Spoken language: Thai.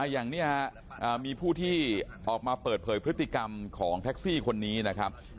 อย่างนี้มีผู้ที่ออกมาเปิดเผยพฤติกรรมของแท็กซี่คนนี้นะครับ